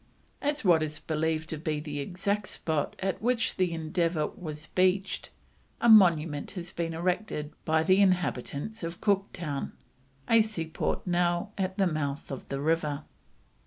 At what is believed to be the exact spot at which the Endeavour was beached, a monument has been erected by the inhabitants of Cooktown, a seaport now at the mouth of the river.